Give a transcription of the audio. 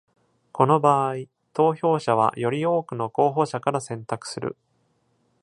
この場合、投票者はより多くの候補者から選択する。